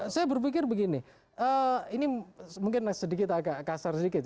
saya berpikir begini ini mungkin sedikit agak kasar sedikit